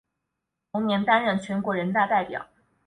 同年担任全国人大代表。